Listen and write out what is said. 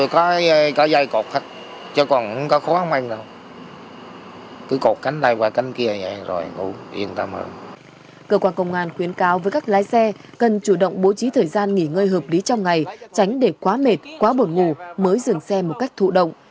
cơ quan công an khuyến cáo với các lái xe cần chủ động bố trí thời gian nghỉ ngơi hợp lý trong ngày tránh để quá mệt quá bột ngủ mới dừng xe một cách thụ động